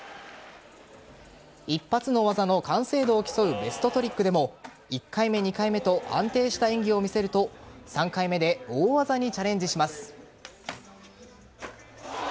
一発の技の完成度を競うベストトリックでも１回目、２回目と安定した演技を見せると３回目で大技にチャレンジします。